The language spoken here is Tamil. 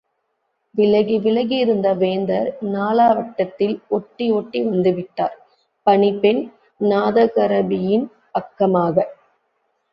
விலகி விலகியிருந்த வேந்தர் நாளாவட்டத்தில் ஒட்டி ஒட்டி வந்துவிட்டார் – பணிப்பெண் நாதகரபியின் பக்கமாக!